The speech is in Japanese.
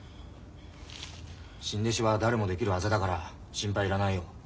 新弟子は誰も出来るアザだから心配いらないよ。